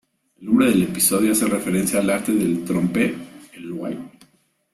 El nombre del episodio hace referencia al arte del trompe-l'œil.